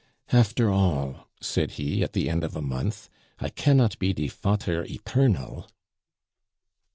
"After all," said he, at the end of a month, "I cannot be de fater eternal!"